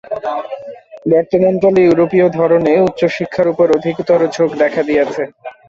বর্তমানকালে ইউরোপীয় ধরনে উচ্চ শিক্ষার উপর অধিকতর ঝোঁক দেখা দিয়াছে।